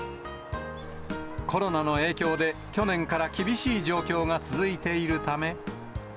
コロナの影響で、去年から厳しい状況が続いているため。